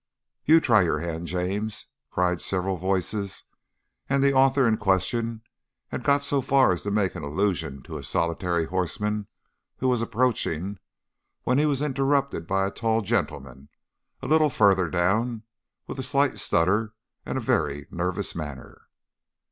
"You try your hand, James," cried several voices, and the author in question had got so far as to make an allusion to a solitary horseman who was approaching, when he was interrupted by a tall gentleman a little farther down with a slight stutter and a very nervous manner.